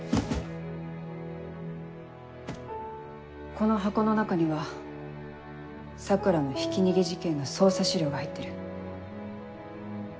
この箱の中には桜のひき逃げ事件の捜査資料が入ってる。